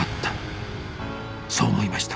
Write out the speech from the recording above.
そう思いました